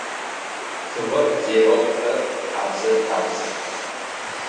Тыгъэзегъэупӏэр къэбзэ-лъабз.